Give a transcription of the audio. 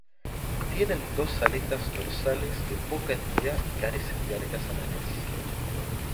Tienen dos aletas dorsales de poca entidad y carecen de aletas anales.